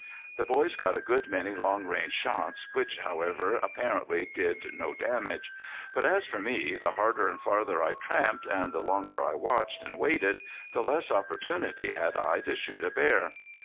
The boys got a good many long range shots, which, however, apparently did no damage. But as for me, the harder and farther I tramped and the longer I watched and waited the less opportunity had I to shoot a bear.